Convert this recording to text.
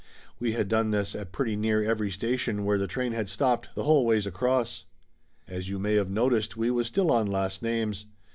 We had done this at pretty near every station where the train had stopped, the whole ways across. As you may of noticed, we was still on last names.